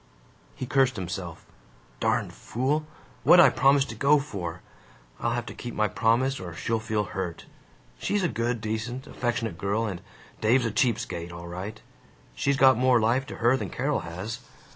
He cursed himself: "Darned fool, what 'd I promise to go for? I'll have to keep my promise, or she'll feel hurt. She's a good, decent, affectionate girl, and Dave's a cheap skate, all right. She's got more life to her than Carol has.